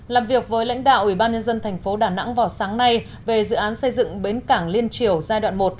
làm việc với lãnh đạo ủy ban nhân dân thành phố đà nẵng vào sáng nay về dự án xây dựng bến cảng liên triều giai đoạn một